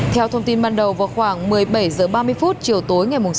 theo thông tin ban đầu vào khoảng một mươi bảy h ba mươi phút chiều tối ngày một